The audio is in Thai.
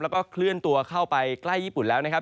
แล้วก็เคลื่อนตัวเข้าไปใกล้ญี่ปุ่นแล้วนะครับ